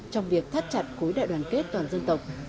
trong việc thắt chặt khối đại đoàn kết toàn dân tộc